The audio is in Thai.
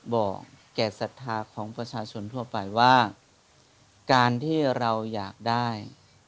บอกแก่ศรัทธาของประชาชนทั่วไปว่าการที่เราอยากได้